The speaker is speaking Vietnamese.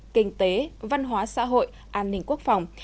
kinh tế văn hóa xã hội an ninh quốc phòng